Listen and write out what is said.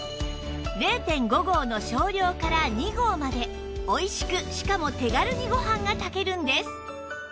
０．５ 合の少量から２合までおいしくしかも手軽にご飯が炊けるんです